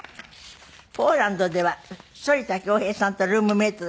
ポーランドでは反田恭平さんとルームメートだった。